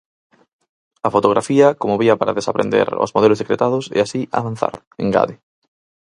A fotografía como vía para desaprender "os modelos decretados" e así "avanzar", engade.